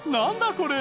これ！